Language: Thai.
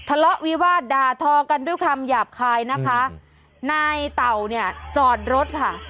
ทะเลาะวิวาสด่าทอกันด้วยคำหยาบคายนะคะนายเต่าเนี่ยจอดรถค่ะ